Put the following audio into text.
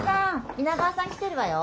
皆川さん来てるわよ。